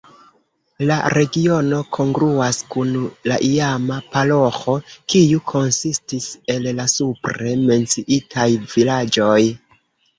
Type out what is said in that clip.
La regiono kongruas kun la iama paroĥo, kiu konsistis el la supre menciitaj vilaĝoj.